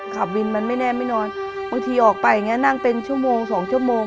ขับวินมันไม่แน่ไม่นอนบางทีออกไปอย่างนี้นั่งเป็นชั่วโมงสองชั่วโมง